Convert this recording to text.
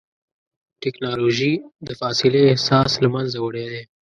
ټکنالوجي د فاصلې احساس له منځه وړی دی.